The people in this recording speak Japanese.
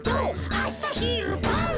あさひるばん」